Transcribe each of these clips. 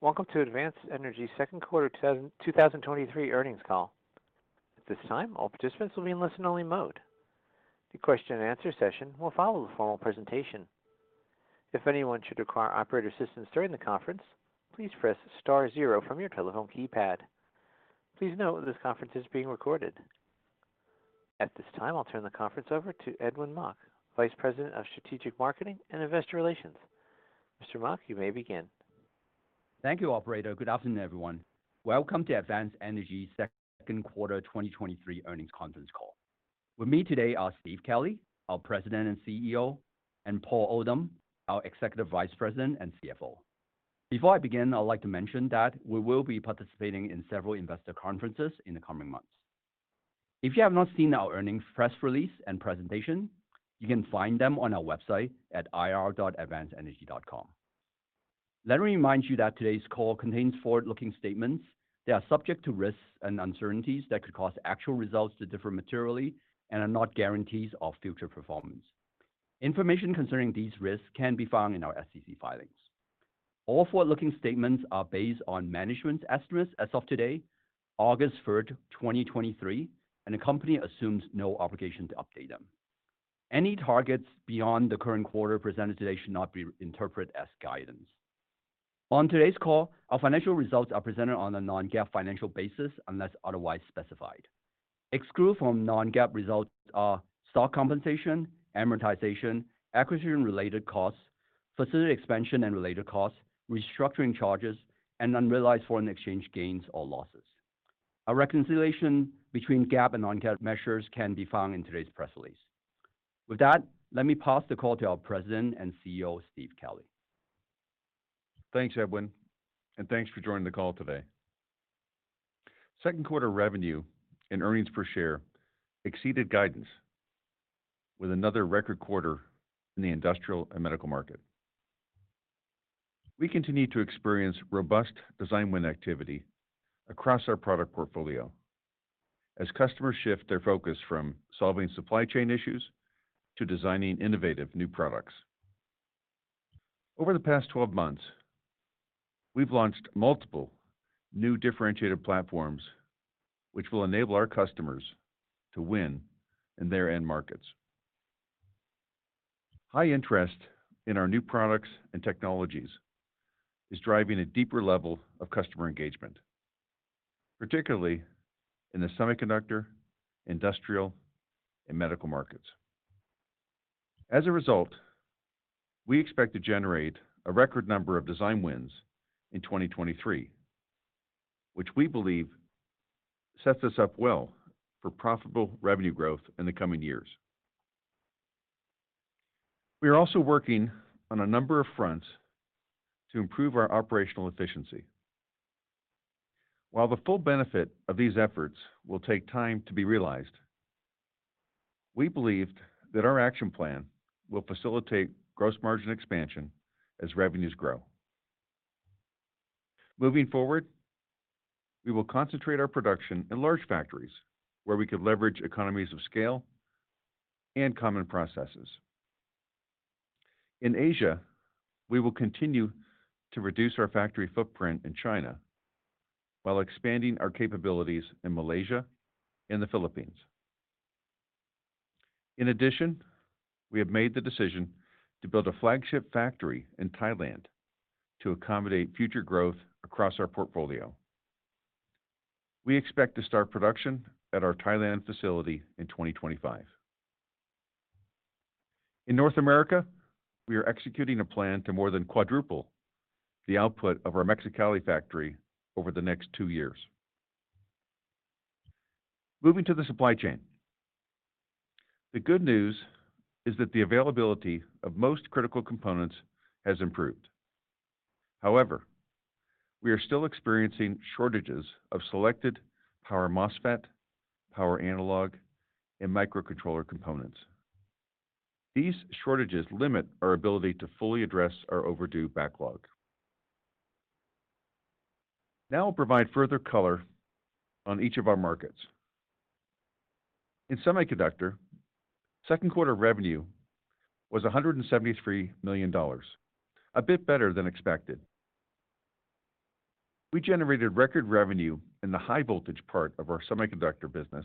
Welcome to Advanced Energy second quarter 2023 earnings call. At this time, all participants will be in listen-only mode. The question and answer session will follow the formal presentation. If anyone should require operator assistance during the conference, please press star zero from your telephone keypad. Please note, this conference is being recorded. At this time, I'll turn the conference over to Edwin Mok, Vice President of Strategic Marketing and Investor Relations. Mr. Mok, you may begin. Thank you, operator. Good afternoon, everyone. Welcome to Advanced Energy second quarter 2023 earnings conference call, with me today are Steve Kelley, our President and CEO, and Paul Oldham, our Executive Vice President and CFO. Before I begin, I'd like to mention that we will be participating in several investor conferences in the coming months. If you have not seen our earnings press release and presentation, you can find them on our website at ir.advancedenergy.com. Let me remind you that today's call contains forward-looking statements that are subject to risks and uncertainties that could cause actual results to differ materially and are not guarantees of future performance. Information concerning these risks can be found in our SEC filings. All forward-looking statements are based on management's estimates as of today, August 3, 2023, and the company assumes no obligation to update them. Any targets beyond the current quarter presented today should not be interpreted as guidance. On today's call, our financial results are presented on a non-GAAP financial basis unless otherwise specified. Excluded from non-GAAP results are stock compensation, amortization, acquisition-related costs, facility expansion and related costs, restructuring charges, and unrealized foreign exchange gains or losses. A reconciliation between GAAP and non-GAAP measures can be found in today's press release. With that, let me pass the call to our President and CEO, Steve Kelley. Thanks, Edwin, and thanks for joining the call today. Second quarter revenue and earnings per share exceeded guidance with another record quarter in the industrial and medical market. We continue to experience robust design win activity across our product portfolio as customers shift their focus from solving supply chain issues to designing innovative new products. Over the past 12 months, we've launched multiple new differentiated platforms, which will enable our customers to win in their end markets. High interest in our new products and technologies is driving a deeper level of customer engagement, particularly in the semiconductor, industrial, and medical markets. As a result, we expect to generate a record number of design wins in 2023, which we believe sets us up well for profitable revenue growth in the coming years. We are also working on a number of fronts to improve our operational efficiency. While the full benefit of these efforts will take time to be realized, we believed that our action plan will facilitate gross margin expansion as revenues grow. Moving forward, we will concentrate our production in large factories, where we could leverage economies of scale and common processes. In Asia, we will continue to reduce our factory footprint in China while expanding our capabilities in Malaysia and the Philippines. In addition, we have made the decision to build a flagship factory in Thailand to accommodate future growth across our portfolio. We expect to start production at our Thailand facility in 2025. In North America, we are executing a plan to more than quadruple the output of our Mexicali factory over the next two years. Moving to the supply chain. The good news is that the availability of most critical components has improved. We are still experiencing shortages of selected power MOSFET, power analog, and microcontroller components. These shortages limit our ability to fully address our overdue backlog. I'll provide further color on each of our markets. In semiconductor, second quarter revenue was $173 million, a bit better than expected. We generated record revenue in the high voltage part of our semiconductor business,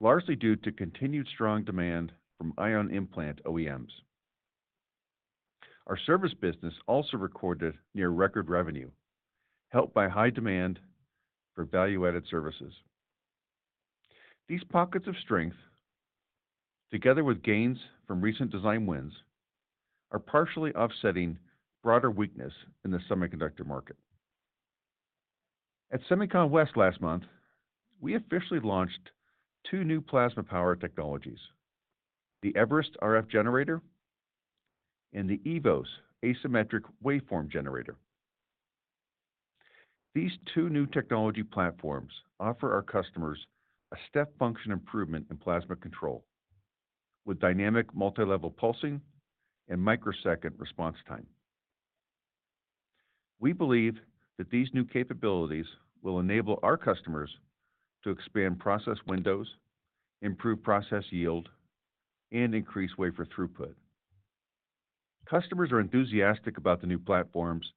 largely due to continued strong demand from ion implant OEMs. Our service business also recorded near record revenue, helped by high demand for value-added services. These pockets of strength, together with gains from recent design wins, are partially offsetting broader weakness in the semiconductor market. SEMICON West last month, we officially launched two new plasma power technologies, the eVerest RF generator and the eVoS Asymmetric Waveform Generator. These two new technology platforms offer our customers a step function improvement in plasma control, with dynamic multi-level pulsing and microsecond response time. We believe that these new capabilities will enable our customers to expand process windows, improve process yield, and increase wafer throughput. Customers are enthusiastic about the new platforms,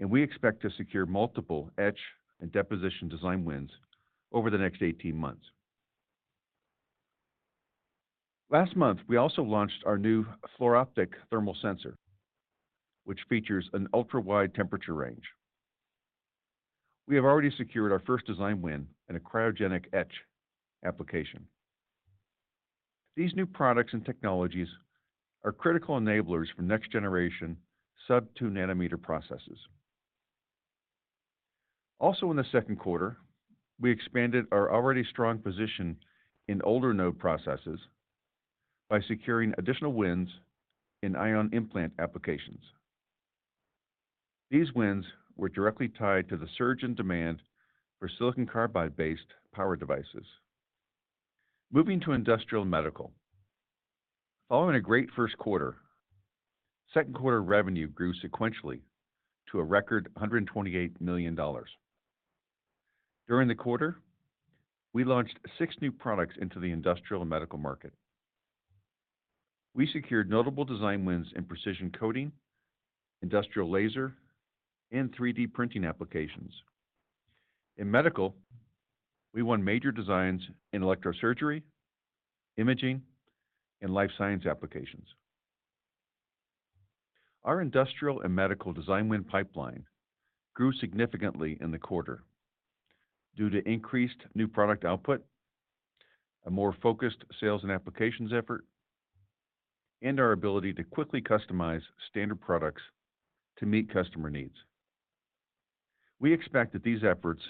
and we expect to secure multiple etch and deposition design wins over the next 18 months. Last month, we also launched our new FluorOptic thermal sensor, which features an ultra-wide temperature range. We have already secured our first design win in a cryogenic etch application. These new products and technologies are critical enablers for next generation sub-two nanometer processes. Also in the second quarter, we expanded our already strong position in older node processes by securing additional wins in ion implant applications. These wins were directly tied to the surge in demand for silicon carbide-based power devices. Moving to Industrial and Medical. Following a great first quarter, second quarter revenue grew sequentially to a record $128 million. During the quarter, we launched six new products into the Industrial and Medical market. We secured notable design wins in precision coating, industrial laser, and 3D printing applications. In Medical, we won major designs in electrosurgery, imaging, and life science applications. Our Industrial and Medical design win pipeline grew significantly in the quarter due to increased new product output, a more focused sales and applications effort, and our ability to quickly customize standard products to meet customer needs. We expect that these efforts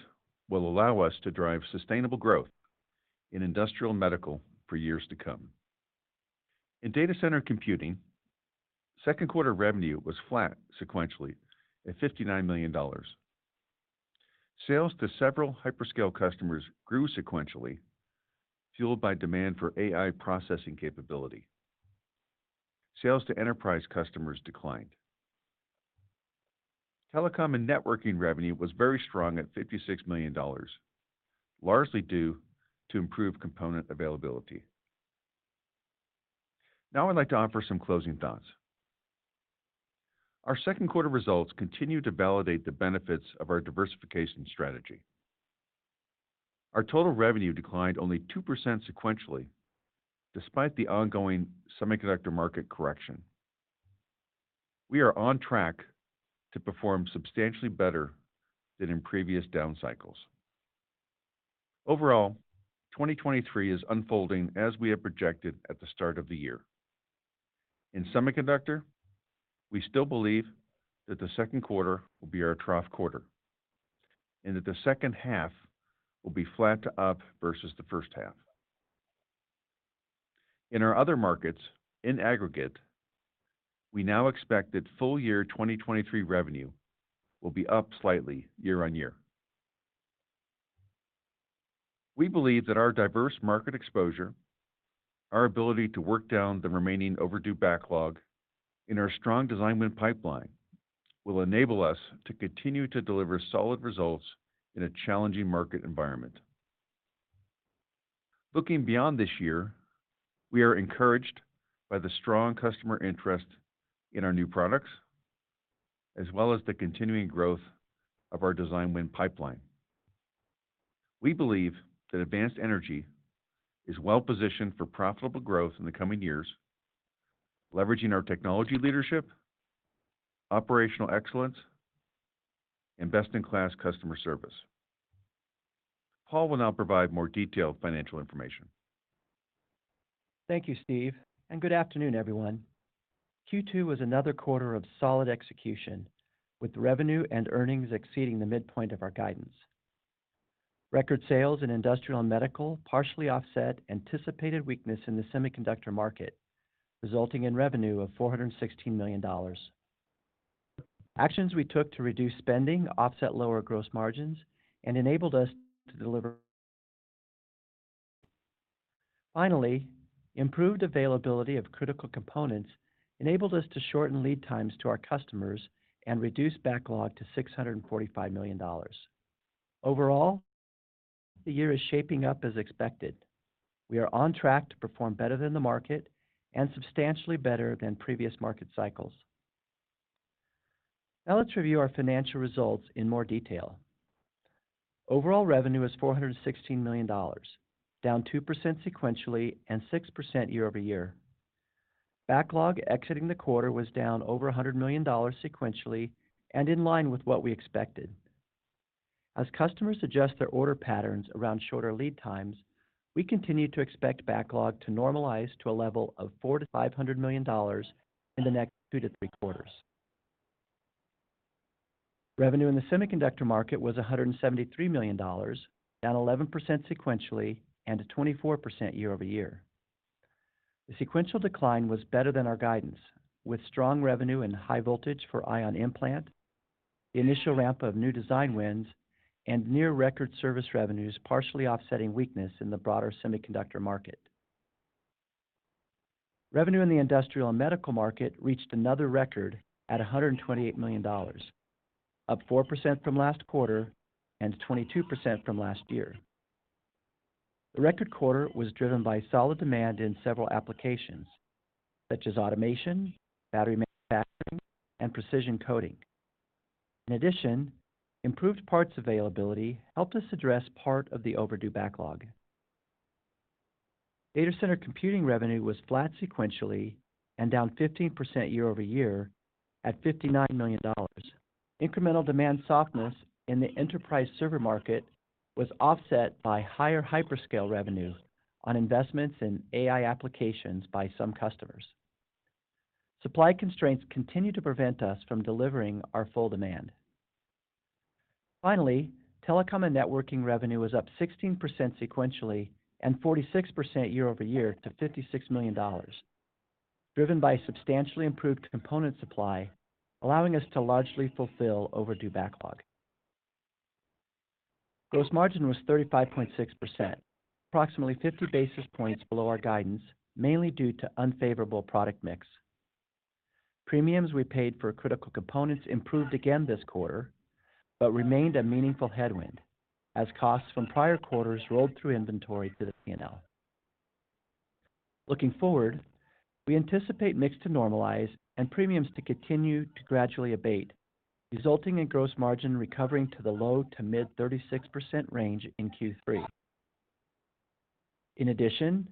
will allow us to drive sustainable growth in Industrial and Medical for years to come. In data center computing, second quarter revenue was flat sequentially at $59 million. Sales to several hyperscale customers grew sequentially, fueled by demand for AI processing capability. Sales to enterprise customers declined. Telecom and Networking revenue was very strong at $56 million, largely due to improved component availability. Now, I'd like to offer some closing thoughts. Our second quarter results continue to validate the benefits of our diversification strategy. Our total revenue declined only 2% sequentially, despite the ongoing semiconductor market correction. We are on track to perform substantially better than in previous down cycles. Overall, 2023 is unfolding as we had projected at the start of the year. In semiconductor, we still believe that the second quarter will be our trough quarter, and that the second half will be flat to up versus the first half. In our other markets, in aggregate, we now expect that full year 2023 revenue will be up slightly year-over-year. We believe that our diverse market exposure, our ability to work down the remaining overdue backlog, and our strong design win pipeline will enable us to continue to deliver solid results in a challenging market environment. Looking beyond this year, we are encouraged by the strong customer interest in our new products, as well as the continuing growth of our design win pipeline. We believe that Advanced Energy is well positioned for profitable growth in the coming years, leveraging our technology leadership, operational excellence, and best-in-class customer service. Paul will now provide more detailed financial information. Thank you, Steve. Good afternoon, everyone. Q2 was another quarter of solid execution, with revenue and earnings exceeding the midpoint of our guidance. Record sales in industrial and medical partially offset anticipated weakness in the semiconductor market, resulting in revenue of $416 million. Actions we took to reduce spending offset lower gross margins and enabled us to deliver. Finally, improved availability of critical components enabled us to shorten lead times to our customers and reduce backlog to $645 million. Overall, the year is shaping up as expected. We are on track to perform better than the market and substantially better than previous market cycles. Let's review our financial results in more detail. Overall revenue was $416 million, down 2% sequentially and 6% year-over-year. Backlog exiting the quarter was down over $100 million sequentially and in line with what we expected. As customers adjust their order patterns around shorter lead times, we continue to expect backlog to normalize to a level of $400 million-$500 million in the next 2-3 quarters. Revenue in the semiconductor market was $173 million, down 11% sequentially and 24% year-over-year. The sequential decline was better than our guidance, with strong revenue and high voltage for ion implant, the initial ramp of new design wins, and near record service revenues, partially offsetting weakness in the broader semiconductor market. Revenue in the industrial and medical market reached another record at $128 million. Up 4% from last quarter, and 22% from last year. The record quarter was driven by solid demand in several applications, such as automation, battery manufacturing, and precision coating. In addition, improved parts availability helped us address part of the overdue backlog. Data center computing revenue was flat sequentially and down 15% year-over-year at $59 million. Incremental demand softness in the enterprise server market was offset by higher hyperscale revenues on investments in AI applications by some customers. Supply constraints continue to prevent us from delivering our full demand. Finally, telecom and networking revenue was up 16% sequentially and 46% year-over-year to $56 million, driven by substantially improved component supply, allowing us to largely fulfill overdue backlog. Gross margin was 35.6%, approximately 50 basis points below our guidance, mainly due to unfavorable product mix. Premiums we paid for critical components improved again this quarter, remained a meaningful headwind as costs from prior quarters rolled through inventory to the PNL. Looking forward, we anticipate mix to normalize and premiums to continue to gradually abate, resulting in gross margin recovering to the low to mid 36% range in Q3. In addition,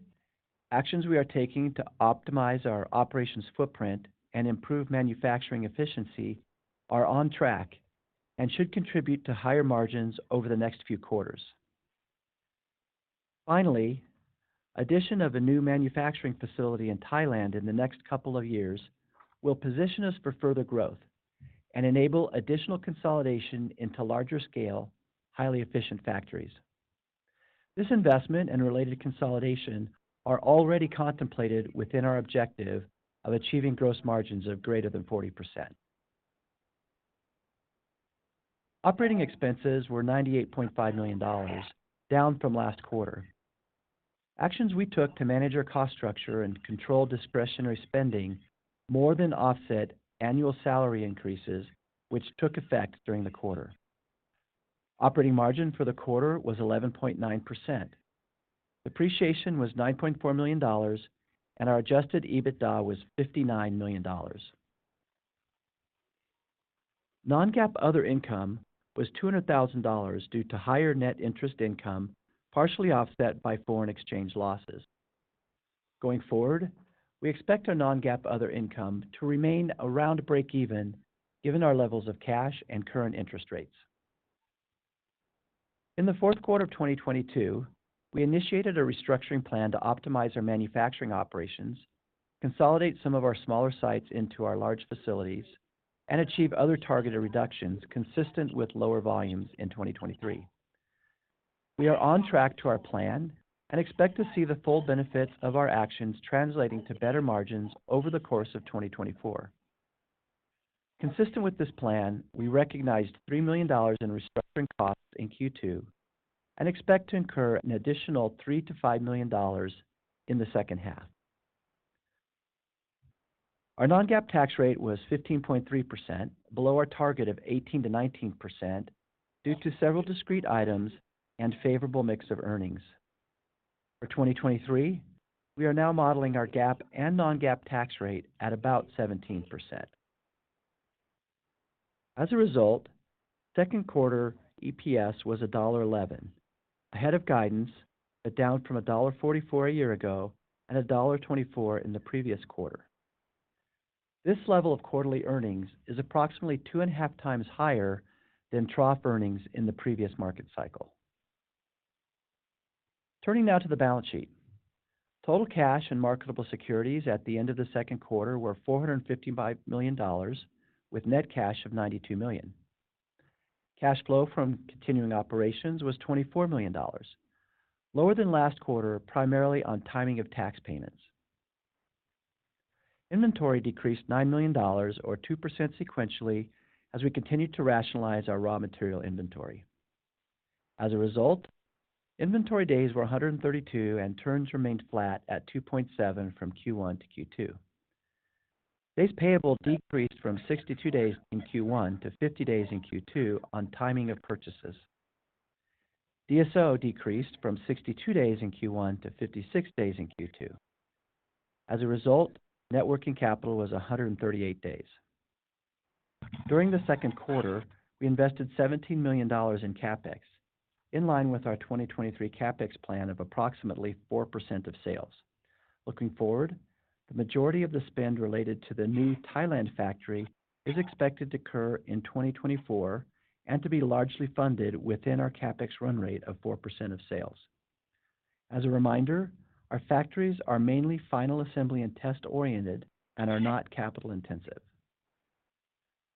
actions we are taking to optimize our operations footprint and improve manufacturing efficiency are on track and should contribute to higher margins over the next few quarters. Finally, addition of a new manufacturing facility in Thailand in the next couple of years will position us for further growth and enable additional consolidation into larger scale, highly efficient factories. This investment and related consolidation are already contemplated within our objective of achieving gross margins of greater than 40%. Operating expenses were $98.5 million, down from last quarter. Actions we took to manage our cost structure and control discretionary spending more than offset annual salary increases, which took effect during the quarter. Operating margin for the quarter was 11.9%. Depreciation was $9.4 million, and our adjusted EBITDA was $59 million. Non-GAAP other income was $200,000 due to higher net interest income, partially offset by foreign exchange losses. Going forward, we expect our non-GAAP other income to remain around breakeven, given our levels of cash and current interest rates. In the fourth quarter of 2022, we initiated a restructuring plan to optimize our manufacturing operations, consolidate some of our smaller sites into our large facilities, and achieve other targeted reductions consistent with lower volumes in 2023. We are on track to our plan and expect to see the full benefits of our actions translating to better margins over the course of 2024. Consistent with this plan, we recognized $3 million in restructuring costs in Q2 and expect to incur an additional $3 million-$5 million in the second half. Our non-GAAP tax rate was 15.3%, below our target of 18%-19%, due to several discrete items and favorable mix of earnings. For 2023, we are now modeling our GAAP and non-GAAP tax rate at about 17%. As a result, second quarter EPS was $1.11, ahead of guidance, but down from $1.44 a year ago and $1.24 in the previous quarter. This level of quarterly earnings is approximately 2.5 times higher than trough earnings in the previous market cycle. Turning now to the balance sheet. Total cash and marketable securities at the end of the second quarter were $455 million, with net cash of $92 million. Cash flow from continuing operations was $24 million, lower than last quarter, primarily on timing of tax payments. Inventory decreased $9 million or 2% sequentially, as we continued to rationalize our raw material inventory. As a result, inventory days were 132, and turns remained flat at 2.7 from Q1 to Q2. Days payable decreased from 62 days in Q1 to 50 days in Q2 on timing of purchases. DSO decreased from 62 days in Q1 to 56 days in Q2. As a result, networking capital was 138 days. During the second quarter, we invested $17 million in CapEx, in line with our 2023 CapEx plan of approximately 4% of sales. Looking forward, the majority of the spend related to the new Thailand factory is expected to occur in 2024 and to be largely funded within our CapEx run rate of 4% of sales. As a reminder, our factories are mainly final assembly and test-oriented and are not capital-intensive.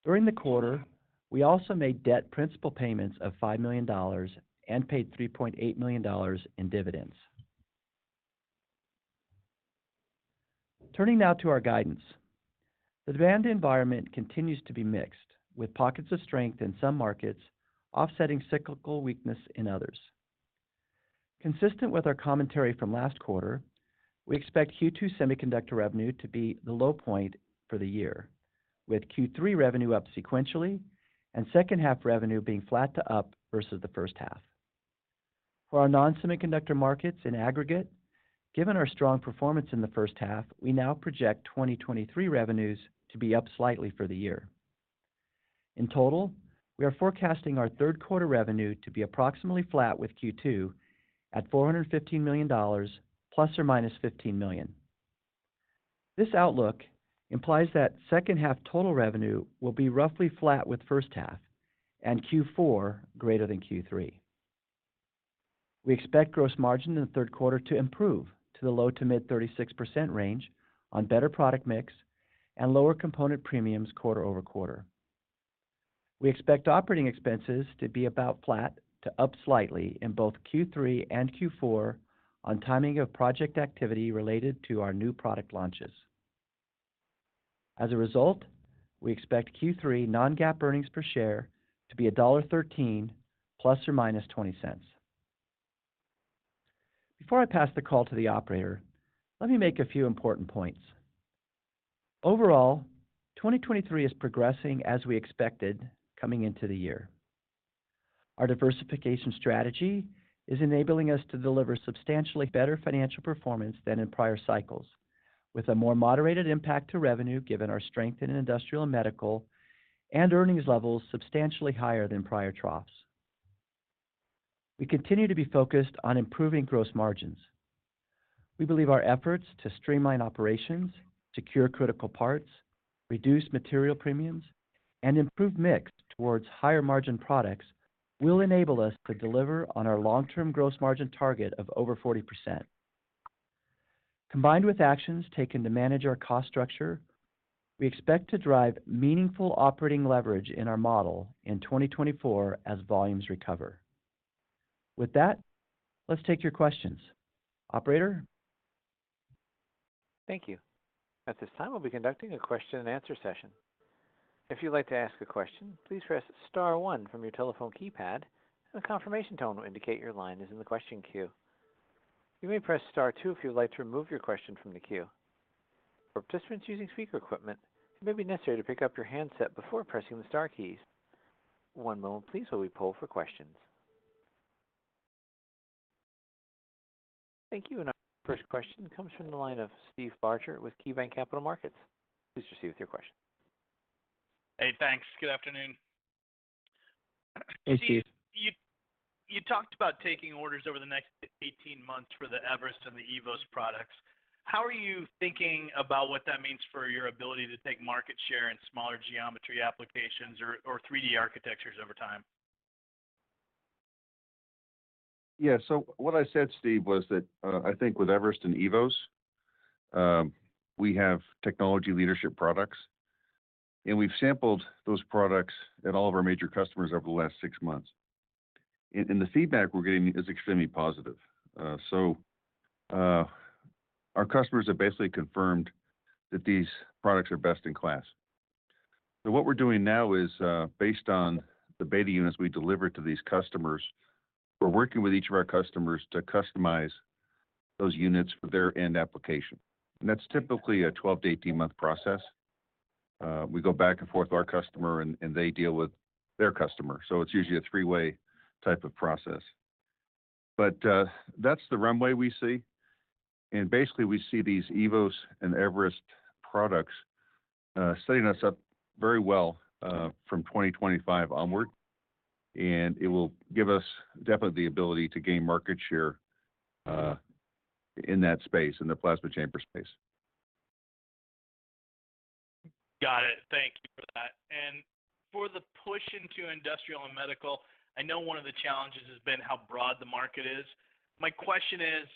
During the quarter, we also made debt principal payments of $5 million and paid $3.8 million in dividends. Turning now to our guidance. The demand environment continues to be mixed, with pockets of strength in some markets offsetting cyclical weakness in others. Consistent with our commentary from last quarter, we expect Q2 semiconductor revenue to be the low point for the year, with Q3 revenue up sequentially and second half revenue being flat to up versus the first half. For our non-semiconductor markets in aggregate, given our strong performance in the first half, we now project 2023 revenues to be up slightly for the year. In total, we are forecasting our third quarter revenue to be approximately flat, with Q2 at $415 million, ±$15 million. This outlook implies that second half total revenue will be roughly flat with first half and Q4 greater than Q3. We expect gross margin in the third quarter to improve to the low to mid 36% range on better product mix and lower component premiums quarter-over-quarter. We expect operating expenses to be about flat to up slightly in both Q3 and Q4 on timing of project activity related to our new product launches. As a result, we expect Q3 non-GAAP earnings per share to be $1.13, ±$0.20. Before I pass the call to the operator, let me make a few important points. Overall, 2023 is progressing as we expected coming into the year. Our diversification strategy is enabling us to deliver substantially better financial performance than in prior cycles, with a more moderated impact to revenue, given our strength in industrial and medical, and earnings levels substantially higher than prior troughs. We continue to be focused on improving gross margins. We believe our efforts to streamline operations, secure critical parts, reduce material premiums, and improve mix towards higher-margin products will enable us to deliver on our long-term gross margin target of over 40%. Combined with actions taken to manage our cost structure, we expect to drive meaningful operating leverage in our model in 2024 as volumes recover. With that, let's take your questions. Operator? Thank you. At this time, we'll be conducting a question-and-answer session. If you'd like to ask a question, please press star one from your telephone keypad, and a confirmation tone will indicate your line is in the question queue. You may press star two if you'd like to remove your question from the queue. For participants using speaker equipment, it may be necessary to pick up your handset before pressing the star keys. One moment please, while we poll for questions. Thank you. Our first question comes from the line of Steve Barger with KeyBanc Capital Markets. Please proceed with your question. Hey, thanks. Good afternoon. Hey, Steve. You talked about taking orders over the next 18 months for the eVerest and the eVoS products. How are you thinking about what that means for your ability to take market share in smaller geometry applications or 3D architectures over time? Yeah. What I said, Steve, was that, I think with eVerest and eVoS, we have technology leadership products, and we've sampled those products at all of our major customers over the last six months. The feedback we're getting is extremely positive. Our customers have basically confirmed that these products are best-in-class. What we're doing now is, based on the beta units we delivered to these customers, we're working with each of our customers to customize those units for their end application, and that's typically a 12-18 month process. We go back and forth with our customer, and they deal with their customer, it's usually a three-way type of process. That's the runway we see. Basically, we see these eVoS and eVerest products, setting us up very well, from 2025 onward, and it will give us definitely the ability to gain market share, in that space, in the plasma chamber space. Got it. Thank you for that. For the push into industrial and medical, I know one of the challenges has been how broad the market is. My question is,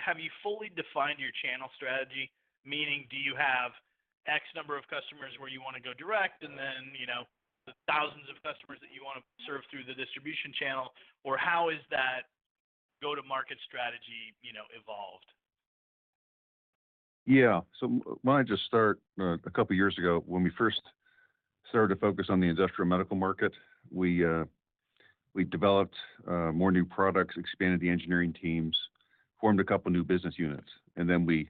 have you fully defined your channel strategy? Meaning, do you have X number of customers where you want to go direct and then, you know, the thousands of customers that you want to serve through the distribution channel? Or how is that go-to-market strategy, you know, evolved? Yeah. Why don't I just start, a couple of years ago, when we first started to focus on the Industrial Medical market, we developed more new products, expanded the engineering teams, formed a couple of new business units, and then we,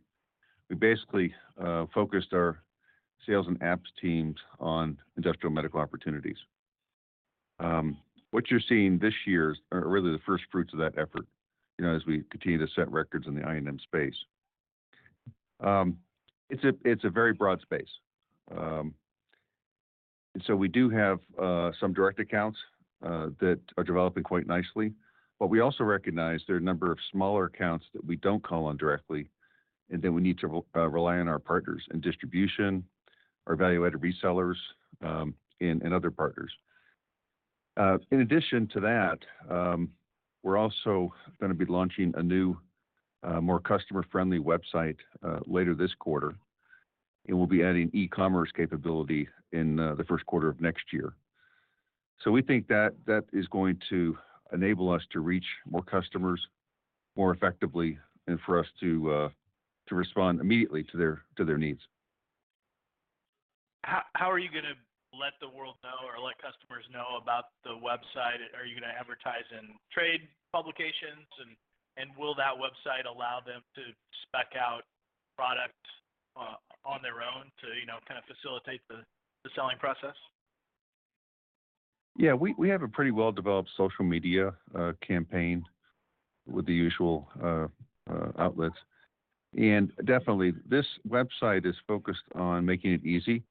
we basically focused our sales and apps teams on Industrial Medical opportunities. What you're seeing this year are really the first fruits of that effort, you know, as we continue to set records in the INM space. It's a, it's a very broad space. We do have some direct accounts that are developing quite nicely, but we also recognize there are a number of smaller accounts that we don't call on directly, and that we need to rely on our partners in distribution, our evaluated resellers, and, and other partners. In addition to that, we're also gonna be launching a new, more customer-friendly website later this quarter, and we'll be adding e-commerce capability in the first quarter of next year. We think that that is going to enable us to reach more customers more effectively and for us to respond immediately to their, to their needs. How are you going to let the world know or let customers know about the website? Are you going to advertise in trade publications? Will that website allow them to spec out product on their own to, you know, kind of facilitate the, the selling process? We have a pretty well-developed social media campaign with the usual outlets. Definitely, this website is focused on making it easy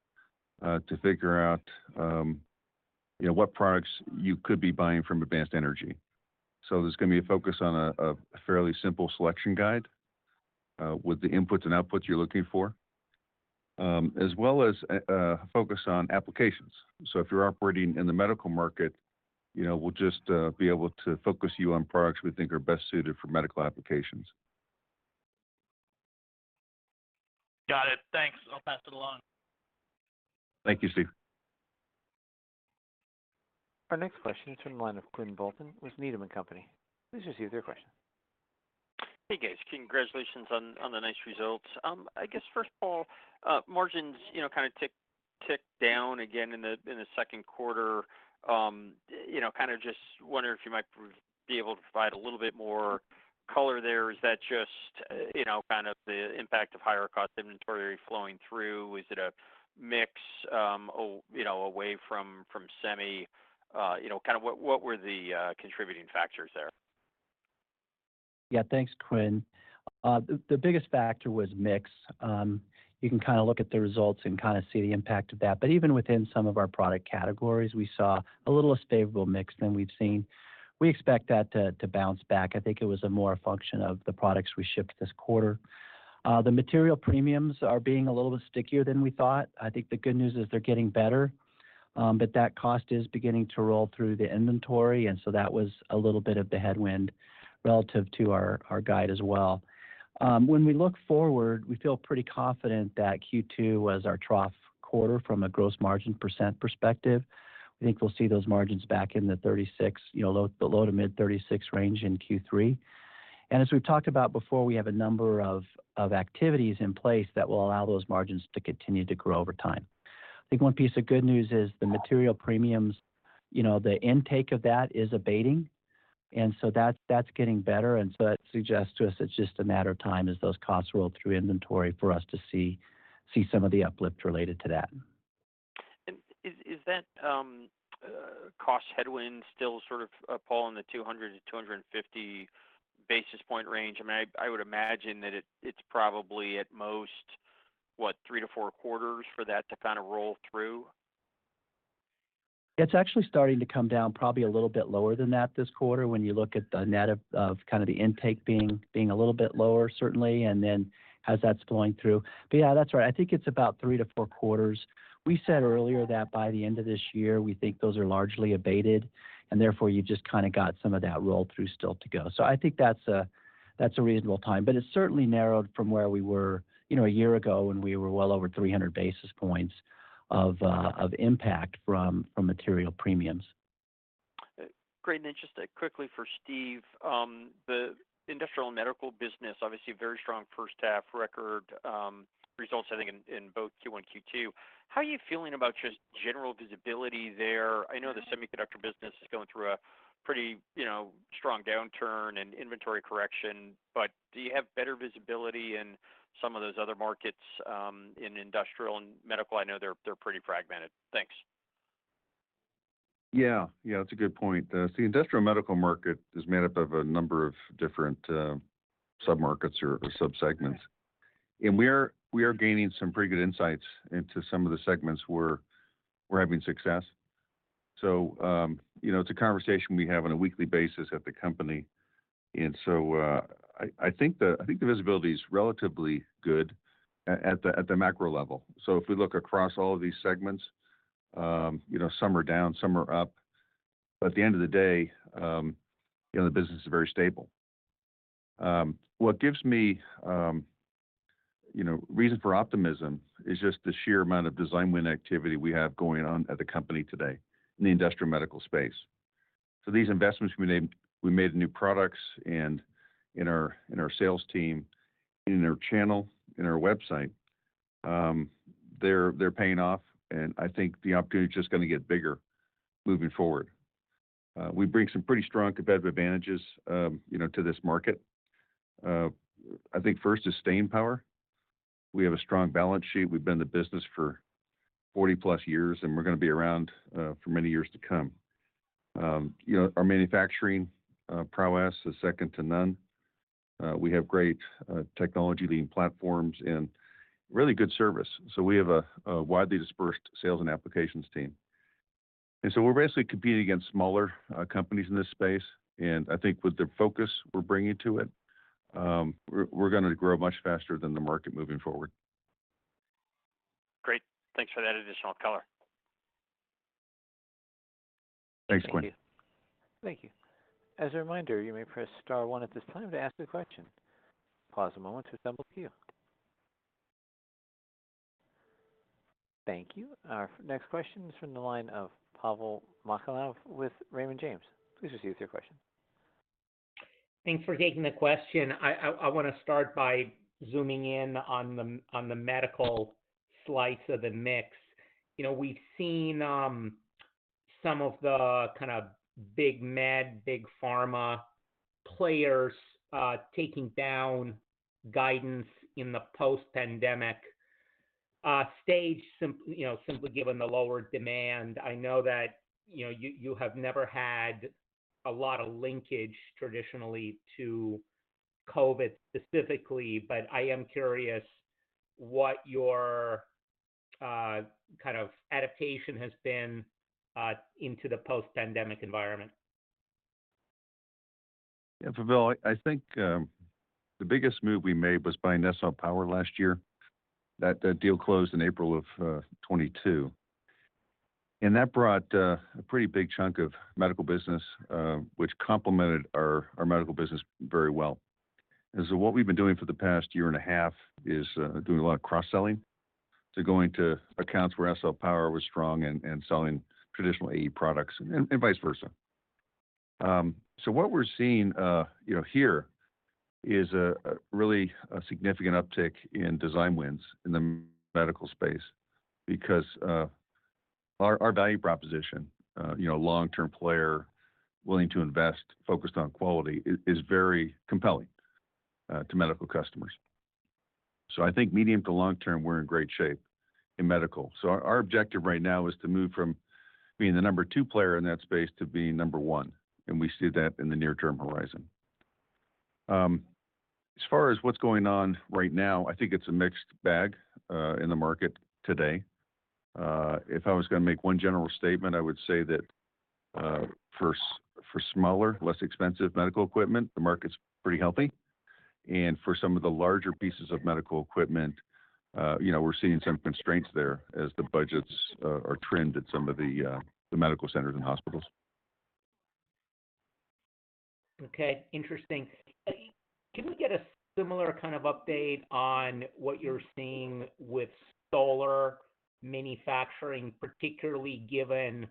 to figure out, you know, what products you could be buying from Advanced Energy. There's going to be a focus on a fairly simple selection guide with the inputs and outputs you're looking for, as well as a focus on applications. If you're operating in the medical market, you know, we'll just be able to focus you on products we think are best suited for medical applications. Got it. Thanks. I'll pass it along. Thank you, Steve. Our next question is from the line of Quinn Bolton with Needham & Company. Please proceed with your question. Hey, guys. Congratulations on, the nice results. I guess first of all, margins, you know, kind of ticked, ticked down again in the, in the second quarter. You know, kind of just wondering if you might be able to provide a little bit more color there. Is that just, you know, kind of the impact of higher cost inventory flowing through? Is it a mix, you know, away from, from semi, you know, kind of what, what were the contributing factors there? Yeah, thanks, Quinn. The, the biggest factor was mix. You can kind of look at the results and kind of see the impact of that. Even within some of our product categories, we saw a little less favorable mix than we've seen. We expect that to, to bounce back. I think it was a more a function of the products we shipped this quarter. The material premiums are being a little bit stickier than we thought. I think the good news is they're getting better, but that cost is beginning to roll through the inventory, and so that was a little bit of the headwind relative to our, our guide as well. When we look forward, we feel pretty confident that Q2 was our trough quarter from a gross margin % perspective. I think we'll see those margins back in the 36, you know, the low to mid 36 range in Q3. As we've talked about before, we have a number of activities in place that will allow those margins to continue to grow over time. I think one piece of good news is the material premiums, you know, the intake of that is abating, and so that's getting better, and so that suggests to us it's just a matter of time as those costs roll through inventory for us to see some of the uplift related to that. Is that cost headwind still sort of falling the 200-250 basis point range? I mean, I, I would imagine that it, it's probably at most, what, 3-4 quarters for that to kind of roll through? It's actually starting to come down probably a little bit lower than that this quarter, when you look at the net of kind of the intake being a little bit lower, certainly, and then as that's flowing through. Yeah, that's right. I think it's about 3 to 4 quarters. We said earlier that by the end of this year, we think those are largely abated, and therefore, you just kind of got some of that roll-through still to go. I think that's a reasonable time, but it's certainly narrowed from where we were, you know, a year ago when we were well over 300 basis points of impact from material premiums. Great. Then just quickly for Steve. The industrial and medical business, obviously a very strong first half record, results, I think, in both Q1 and Q2. How are you feeling about just general visibility there? I know the semiconductor business is going through a pretty, you know, strong downturn and inventory correction, but do you have better visibility in some of those other markets, in industrial and medical? I know they're, they're pretty fragmented. Thanks. Yeah, yeah, that's a good point. The industrial medical market is made up of a number of different submarkets or, or subsegments. We are, we are gaining some pretty good insights into some of the segments where we're having success. You know, it's a conversation we have on a weekly basis at the company. I, I think the, I think the visibility is relatively good at, at the, at the macro level. If we look across all of these segments, you know, some are down, some are up. At the end of the day, you know, the business is very stable. What gives me, you know, reason for optimism is just the sheer amount of design win activity we have going on at the company today in the industrial medical space. These investments we made, we made new products and in our, in our sales team, in our channel, in our website, they're, they're paying off, and I think the opportunity is just going to get bigger moving forward. We bring some pretty strong competitive advantages, you know, to this market. I think first is staying power. We have a strong balance sheet. We've been in the business for 40-plus years, and we're going to be around for many years to come. You know, our manufacturing prowess is second to none. We have great technology-leading platforms and really good service. We have a, a widely dispersed sales and applications team. We're basically competing against smaller companies in this space, and I think with the focus we're bringing to it, we're, we're going to grow much faster than the market moving forward. Great. Thanks for that additional color. Thanks, Quinn. Thank you. Thank you. As a reminder, you may press star one at this time to ask a question. Pause a moment to assemble queue. Thank you. Our next question is from the line of Pavel Molchanov with Raymond James. Please proceed with your question. Thanks for taking the question. I, I, I want to start by zooming in on the, on the medical slice of the mix. You know, we've seen, some of the kind of big med, big pharma players, taking down guidance in the post-pandemic, stage, simply, you know, simply given the lower demand. I know that, you know, you, you have never had a lot of linkage traditionally to COVID specifically, but I am curious what your, kind of adaptation has been, into the post-pandemic environment? Yeah, Pavel, I think the biggest move we made was buying SL Power Electronics last year. That deal closed in April of 2022, and that brought a pretty big chunk of medical business, which complemented our, our medical business very well. What we've been doing for the past year and a half is doing a lot of cross-selling to going to accounts where SL Power Electronics was strong and, and selling traditional AE products and, and vice versa. What we're seeing, you know, here is a really a significant uptick in design wins in the medical space because our, our value proposition, you know, long-term player willing to invest, focused on quality, is, is very compelling to medical customers. I think medium to long term, we're in great shape in medical. Our objective right now is to move from being the number 2 player in that space to being number 1, and we see that in the near term horizon. As far as what's going on right now, I think it's a mixed bag in the market today. If I was gonna make one general statement, I would say that for smaller, less expensive medical equipment, the market's pretty healthy. For some of the larger pieces of medical equipment, you know, we're seeing some constraints there as the budgets are trimmed at some of the medical centers and hospitals. Okay. Interesting. Can we get a similar kind of update on what you're seeing with solar manufacturing, particularly given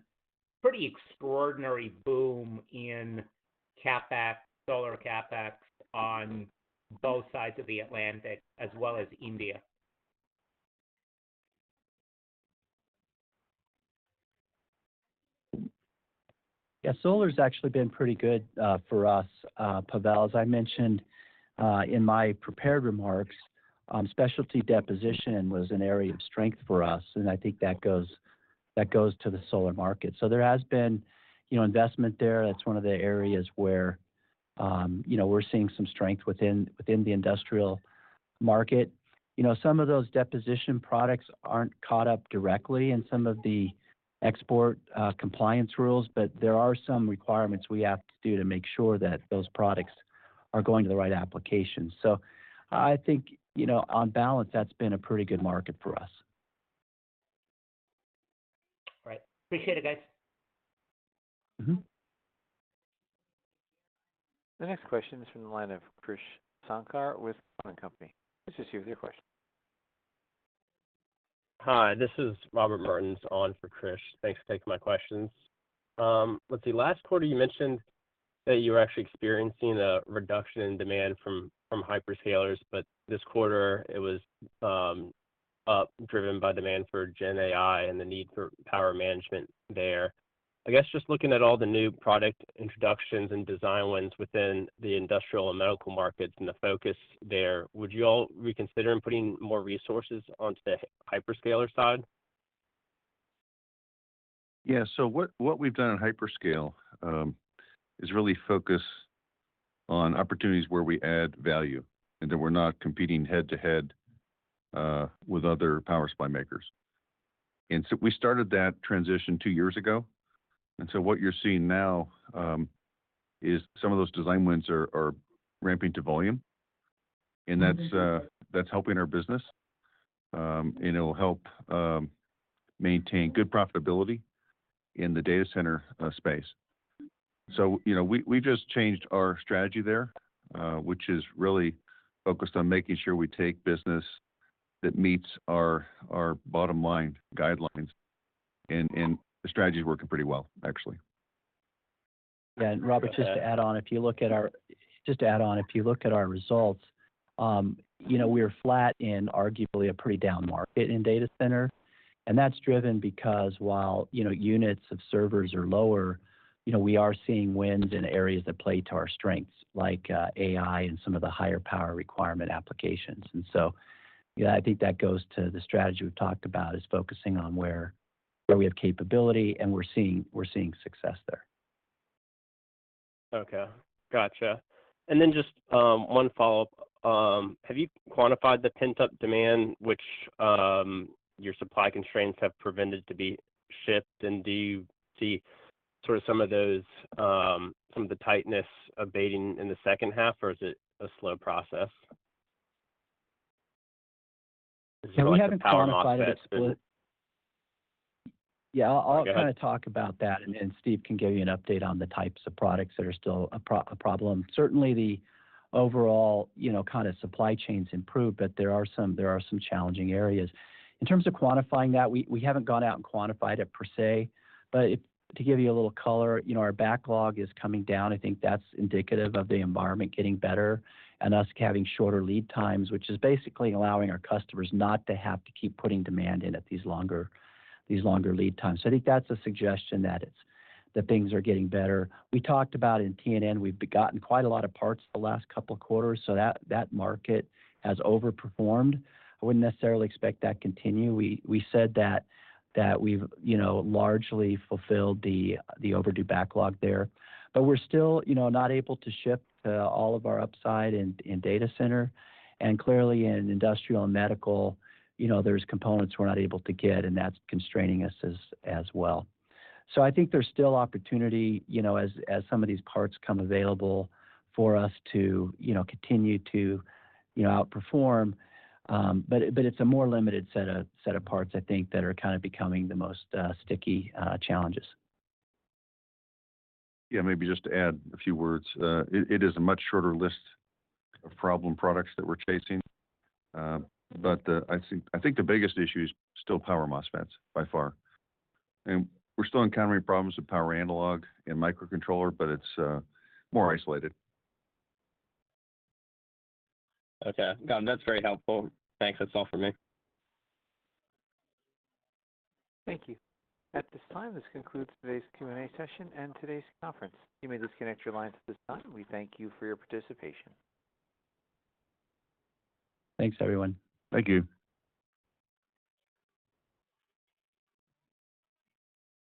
pretty extraordinary boom in CapEx, solar CapEx on both sides of the Atlantic as well as India? Yeah, solar's actually been pretty good for us, Pavel. As I mentioned, in my prepared remarks, specialty deposition was an area of strength for us, and I think that goes, that goes to the solar market. There has been, you know, investment there. That's one of the areas where, you know, we're seeing some strength within, within the industrial market. You know, some of those deposition products aren't caught up directly in some of the export compliance rules, but there are some requirements we have to do to make sure that those products are going to the right applications. I think, you know, on balance, that's been a pretty good market for us. All right. Appreciate it, guys. Mm-hmm. The next question is from the line of Krish Sankar with TD Cowen. This is you with your question. Hi, this is Robert Mertens on for Krish. Thanks for taking my questions. Let's see. Last quarter, you mentioned that you were actually experiencing a reduction in demand from hyperscalers, but this quarter it was driven by demand for GenAI and the need for power management there. I guess just looking at all the new product introductions and design wins within the industrial and medical markets and the focus there, would you all reconsider in putting more resources onto the hyperscaler side? Yeah. What, what we've done on hyperscale is really focus on opportunities where we add value and that we're not competing head-to-head with other power supply makers. We started that transition 2 years ago. What you're seeing now is some of those design wins are ramping to volume, and that's helping our business. It'll help maintain good profitability in the data center space. You know, we just changed our strategy there, which is really focused on making sure we take business that meets our bottom line guidelines. The strategy is working pretty well, actually. Yeah, Robert, just to add on, if you look at our Just to add on, if you look at our results, you know, we are flat in arguably a pretty down market in data center, and that's driven because while, you know, units of servers are lower, you know, we are seeing wins in areas that play to our strengths, like, AI and some of the higher power requirement applications. I think that goes to the strategy we've talked about, is focusing on where, where we have capability, and we're seeing, we're seeing success there. Okay, gotcha. One follow-up. Have you quantified the pent-up demand, which, your supply constraints have prevented to be shipped? Do you see sort of some of those, some of the tightness abating in the second half, or is it a slow process? We haven't quantified it, but... Like the power MOSFET. Yeah, I'll kind of talk about that, and, and Steve can give you an update on the types of products that are still a problem. Certainly, the overall, you know, kind of supply chains improved, but there are some, there are some challenging areas. In terms of quantifying that, we, we haven't gone out and quantified it per se, but to give you a little color, you know, our backlog is coming down. I think that's indicative of the environment getting better and us having shorter lead times, which is basically allowing our customers not to have to keep putting demand in at these longer, these longer lead times, so I think that's a suggestion that things are getting better. We talked about in T&N, we've gotten quite a lot of parts the last couple of quarters, so that, that market has overperformed. I wouldn't necessarily expect that continue. We said that, that we've, you know, largely fulfilled the, the overdue backlog there, but we're still, you know, not able to ship all of our upside in, in data center. Clearly in industrial and medical, you know, there's components we're not able to get, and that's constraining us as, as well. I think there's still opportunity, you know, as, as some of these parts become available for us to, you know, continue to, you know, outperform, but it's a more limited set of, set of parts I think, that are kind of becoming the most sticky challenges. Yeah, maybe just to add a few words. It is a much shorter list of problem products that we're chasing, I think, I think the biggest issue is still power MOSFETs by far. We're still encountering problems with power analog and microcontroller, but it's, more isolated. Okay, got it. That's very helpful. Thanks. That's all for me. Thank you. At this time, this concludes today's Q&A session and today's conference. You may disconnect your lines at this time. We thank you for your participation. Thanks, everyone. Thank you.